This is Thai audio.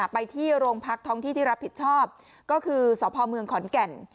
ไปที่โรงพักท้องที่ที่รับผิดชอบก็คือสพเมืองขอนแก่น